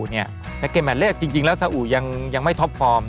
ในเกมแมทแรกจริงแล้วซาอุยังไม่ท็อปฟอร์ม